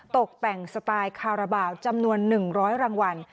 ตกแต่งสไตล์คาราบาลจำนวน๑๐๐รางวัล